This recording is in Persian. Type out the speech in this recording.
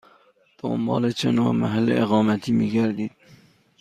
دنبال چه نوع محل اقامتی می گردید؟